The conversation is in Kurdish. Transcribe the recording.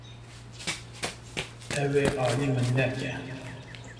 Ew ê alî min neke.